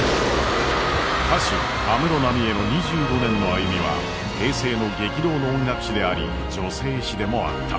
歌手安室奈美恵の２５年の歩みは平成の激動の音楽史であり女性史でもあった。